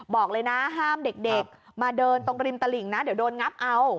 บอกเลยนะห้ามเด็กมาเดินตรงริมตลิ่งนะเดี๋ยวโดนงับเอา